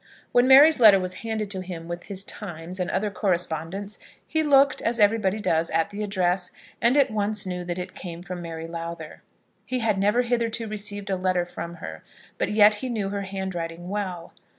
When Mary's letter was handed to him with his "Times" and other correspondence, he looked, as everybody does, at the address, and at once knew that it came from Mary Lowther. He had never hitherto received a letter from her, but yet he knew her handwriting well.